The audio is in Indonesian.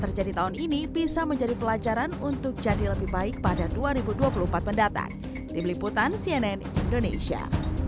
terjadi tahun ini bisa menjadi pelajaran untuk jadi lebih baik pada dua ribu dua puluh empat mendatang tim liputan cnn indonesia